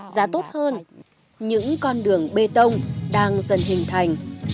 giá tốt hơn những con đường bê tông đang dần hình thành